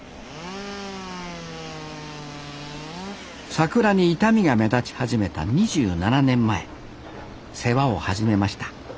桜に傷みが目立ち始めた２７年前世話を始めました